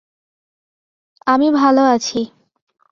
আমি ভালো আছি।